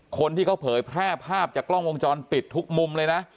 คนที่เขาเผยแพร่ภาพจากกล้องวงจรปิดทุกมุมเลยนะ